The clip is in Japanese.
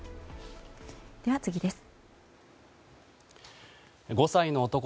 では次です。